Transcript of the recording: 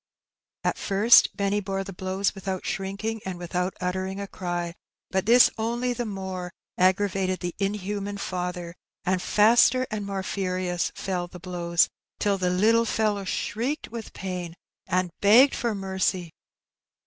At first Benny bore the blows without shrinking and without uttering a cry ; but this only the more aggravated the inhuman father, and faster and more furious fell the blows, till the little fellow shrieked with pain and begged for mercy.